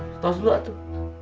nah tos dulu tuh